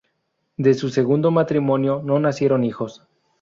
De su segundo matrimonio no nacieron hijos.